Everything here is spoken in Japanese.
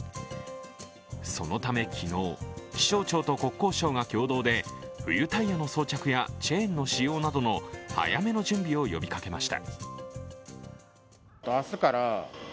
そのため昨日、気象庁と国交省が共同で冬タイヤの装着やチェーンの使用などの早めの準備を呼びかけました。